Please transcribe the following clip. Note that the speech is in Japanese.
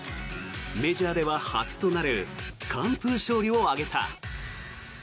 メジャーでは初となる完封勝利を挙げた。